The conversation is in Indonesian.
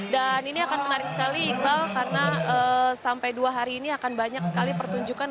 dan ini akan menarik sekali ikbal karena sampai dua hari ini akan banyak sekali pertunjukan